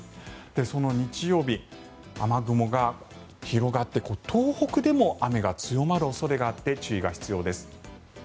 その日曜日、雨雲が広がって東北でも雨が強まる恐れがあって注意が必要です。